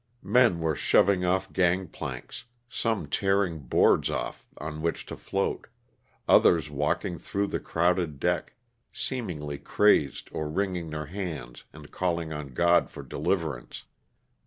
Men were shov ing off gang planks, some tearing boards off on which to float, others walking through the crowded deck, seemingly crazed or wringing their hands and calling on God for deliverance.